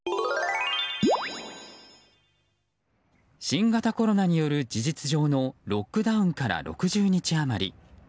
新型コロナによる事実上のロックダウンから６０日余り。